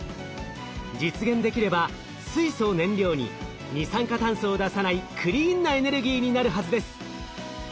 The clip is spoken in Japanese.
実現できれば水素を燃料に二酸化炭素を出さないクリーンなエネルギーになるはずです。